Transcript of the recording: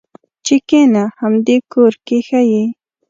چې کېنه همدې کور کې ښه یې.